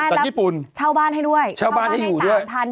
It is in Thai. จากญี่ปุ่นเช่าบ้านให้ด้วยเช่าบ้านให้อยู่ด้วย